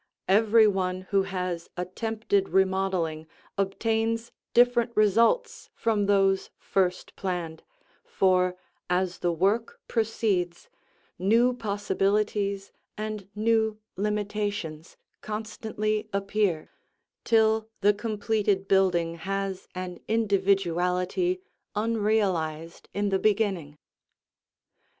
Every one who has attempted remodeling obtains different results from those first planned, for as the work proceeds, new possibilities and new limitations constantly appear, till the completed building has an individuality unrealized in the beginning.